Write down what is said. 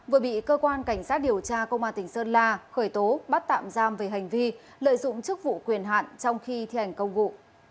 vừa bị cơ quan cảnh sát điều tra công an tỉnh sơn la khởi tố bắt tạm giam về hành vi lợi dụng chức vụ quyền hạn trong khi thi hành công vụ